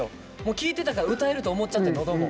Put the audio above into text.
聴いてたから歌えると思っちゃってのども。